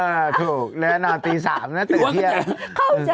อ่าถูกนอนตี๓น่ะตื่นเทียด